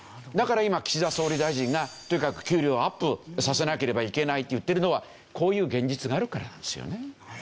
だから今岸田総理大臣がとにかく給料アップさせなければいけないと言ってるのはこういう現実があるからなんですよね。